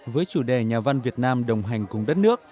với chủ đề nhà văn việt nam đồng hành cùng đất nước